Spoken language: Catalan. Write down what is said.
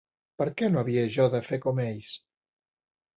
Per què no havia jo de fer com ells?